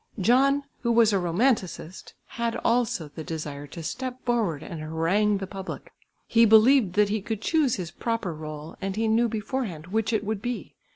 John, who was a romanticist, had also the desire to step forward and harangue the public. He believed that he could choose his proper rôle, and he knew beforehand which it would be.